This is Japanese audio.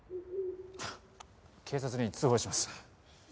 警察に通報します。